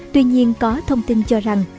tuy nhiên có thông tin cho rằng